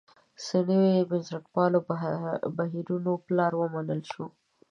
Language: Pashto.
سني بنسټپالو بهیرونو پلار ومنل شو.